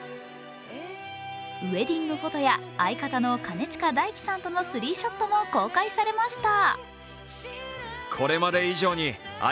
ウエディングフォトや相方の兼近大樹さんとのスリーショットも公開されました。